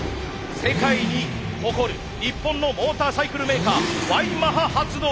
世界に誇る日本のモーターサイクルメーカーＹマハ発動機。